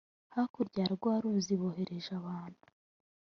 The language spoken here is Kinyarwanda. hakurya ya rwa ruzi boherereje abantu